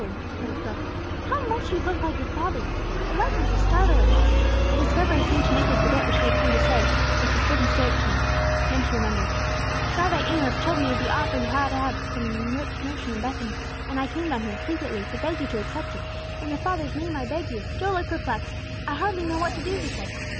she cried abruptly, "how much you look like your father! The likeness is startling!" The discovery seemed to make her forget what she had come to say, and she stood and stared at him; then she remembered. "Rabbi Amos told me of the offer you have had from a rich merchant in Bethany, and I came down here, secretly, to beg you to accept it. In your father's name I beg you!" Joel looked perplexed. "I hardly know what to do," he said.